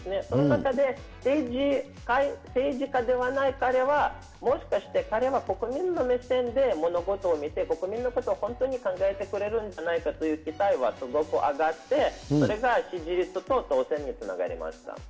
その中で政治家ではない彼は、もしかして彼は国民の目線で物事を見て、国民のことを本当に考えてくれるんじゃないかという期待はすごく上がって、それが支持率と当選につながりました。